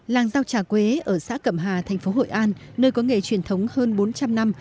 làng rau trà quế ở xã cẩm hà thành phố hội an nơi có nghề truyền thống hơn bốn trăm linh năm